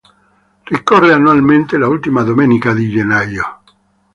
Ricorre annualmente l'ultima domenica di gennaio.